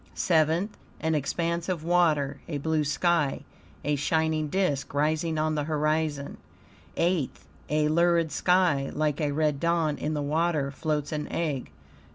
SEVENTH An expanse of water, a blue sky, a shining disk rising on the horizon. EIGHTH A lurid sky, like a red dawn; in the water floats an egg.